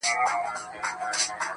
د سيند پر غاړه، سندريزه اروا وچړپېدل.